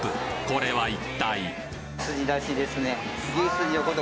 これは一体？